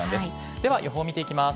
では予報見ていきます。